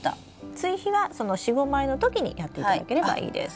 追肥はその４５枚の時にやっていただければいいです。